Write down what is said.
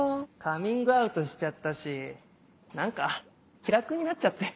カミングアウトしちゃったし何か気楽になっちゃって。